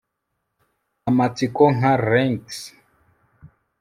Amatsiko nka lynx